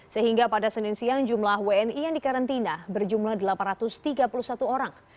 sehingga pada senin siang jumlah wni yang dikarantina berjumlah delapan ratus tiga puluh satu orang